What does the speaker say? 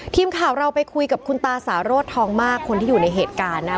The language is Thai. ทีมข่าวเราไปคุยกับคุณตาสาโรธทองมากคนที่อยู่ในเหตุการณ์นะ